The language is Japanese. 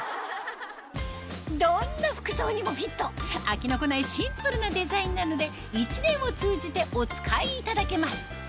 どんな服装にもフィット飽きのこないシンプルなデザインなので一年を通じてお使いいただけます